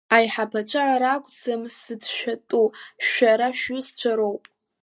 Аиҳабацәа ракәӡам изыцәшәатәу, шәара шәҩызцәа роуп.